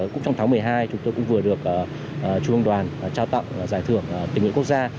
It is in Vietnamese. cũng trong tháng một mươi hai chúng tôi cũng vừa được trung ương đoàn trao tặng giải thưởng tình nguyện quốc gia